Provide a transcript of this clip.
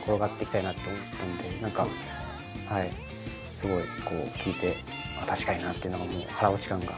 すごいこう聞いて確かになあっていうのがもう腹落ち感が。